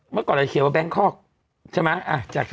เมื่อก่อนละเคียงว่าแบงค์คอร์ก